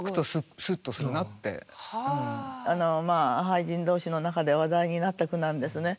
俳人同士の中で話題になった句なんですね。